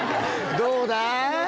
どうだ？